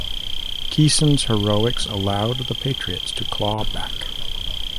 Kison's heroics allowed the Pirates to claw back.